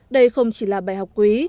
đây không chỉ là bài học quý